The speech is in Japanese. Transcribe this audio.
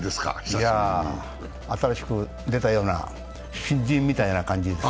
新しく出たような、新人みたいな感じです。